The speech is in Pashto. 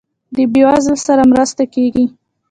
د بیوزلو سره مرسته کیږي؟